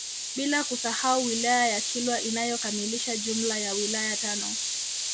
Bila kusahau wilaya ya Kilwa inayokamilisha jumla ya wilaya tano